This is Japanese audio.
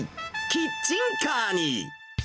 キッチンカーに。